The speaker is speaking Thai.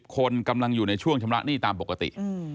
คนกำลังอยู่ในช่วงชำระหนี้ตามปกติ